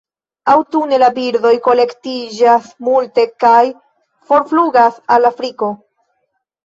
Aŭtune la birdoj kolektiĝas multe kaj forflugas al Afriko.